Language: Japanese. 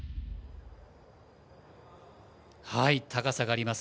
高さがあります